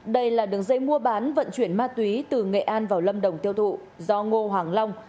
đây là đường dây mua bán vận chuyển ma túy từ nghệ an vào lâm đồng tiêu thụ do ngô hoàng long